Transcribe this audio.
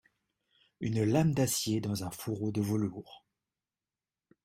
Une lame d'acier dans un fourreau de velours !